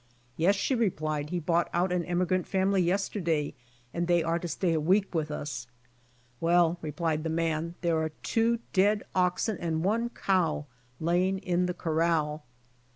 "Yes," she replied, "He bought out an emigrant family yesterday, and they are to stay a week with us." "Well," replied the man, THE JOURNEY'S END 137 "There are two dead oxen and one cow laying in the corral."